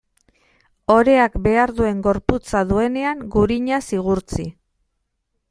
Oreak behar duen gorputza duenean, gurinaz igurtzi.